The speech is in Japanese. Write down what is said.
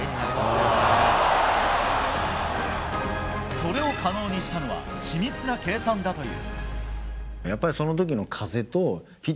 それを可能にしたのは緻密な計算だという。